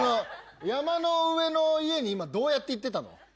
山の上の家に今どうやって行ってたの？